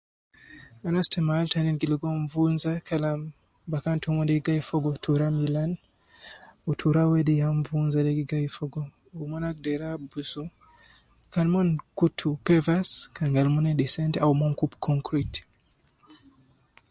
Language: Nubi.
Anas te mahal tanin gi ligo nvunza bakan tomon de gi gai fogo tura milan wu tura wede ya nvunza wede gi gai fogo wu agder abusu kan mon kutu pavers au mon kub concrete